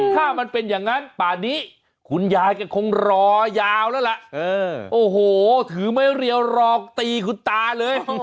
ถ้ามันเป็นอย่างนั้นป่านนี้คุณยายก็คงรอยาวแล้วล่ะโอ้โหถือไม้เรียวรอตีคุณตาเลย